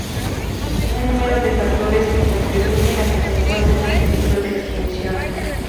Un número de factores que contribuyen a que se encuentre en peligro de extinción.